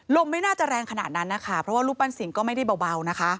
ไม่น่าจะแรงขนาดนั้นนะคะเพราะว่ารูปปั้นสิงก็ไม่ได้เบานะคะ